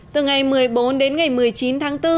từ ngày một mươi bốn đến ngày một mươi chín tháng bốn